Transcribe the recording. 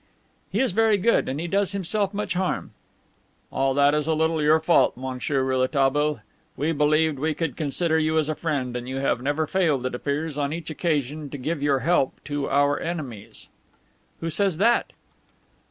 "He is very good, and he does himself much harm." "All that is a little your fault, Monsieur Rouletabille. We believed we could consider you as a friend, and you have never failed, it appears, on each occasion to give your help to our enemies. "Who says that?"